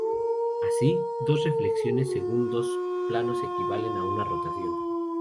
Así, dos reflexiones según dos planos equivalen a una rotación.